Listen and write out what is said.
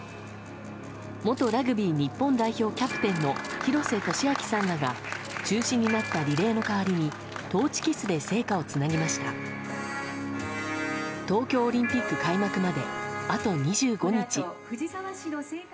元ラグビー日本代表キャプテンの廣瀬俊朗さんらが中止になったリレーの代わりにトーチキスで聖火をつなぎました。